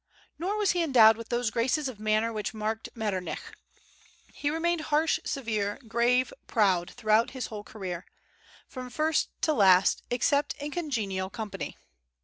Nor was he endowed with those graces of manner which marked Metternich. He remained harsh, severe, grave, proud through his whole career, from first to last, except in congenial company.